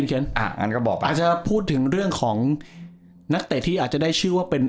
เพราะฉะนั้นก็บอกไปอาจจะพูดถึงเรื่องของนักเตะที่อาจจะได้ชื่อว่าเป็น